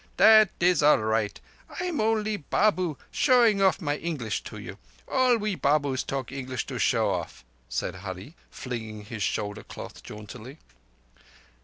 "That is all raight. I am only Babu showing off my English to you. All we Babus talk English to show off;" said Hurree, flinging his shoulder cloth jauntily.